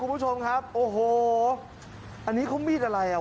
คุณผู้ชมครับโอ้โหอันนี้เขามีดอะไรอ่ะ